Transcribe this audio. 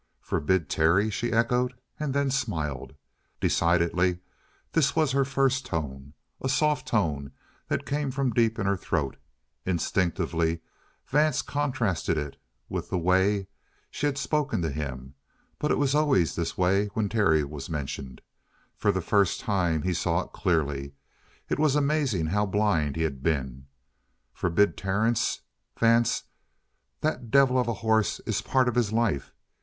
"Forbid Terry?" she echoed, and then smiled. Decidedly this was her first tone, a soft tone that came from deep in her throat. Instinctively Vance contrasted it with the way she had spoken to him. But it was always this way when Terry was mentioned. For the first time he saw it clearly. It was amazing how blind he had been. "Forbid Terence? Vance, that devil of a horse is part of his life.